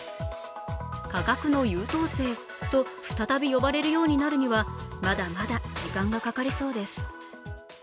価格の優等生と再び呼ばれるようになるにはまだまだ時間がかかりそうです。